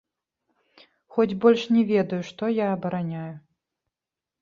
Хоць больш не ведаю, што я абараняю.